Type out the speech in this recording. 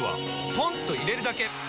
ポンと入れるだけ！